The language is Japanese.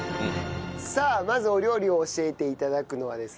さあまずお料理を教えて頂くのはですね